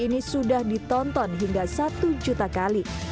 ini sudah ditonton hingga satu juta kali